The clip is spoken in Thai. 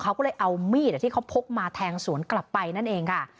เขาก็เลยเอามีดที่เขาพกมาแทงสวนกลับไปนั่นเองค่ะ